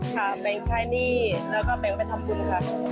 จะไปจ่ายหนี้แล้วก็ไปทำกุญคับ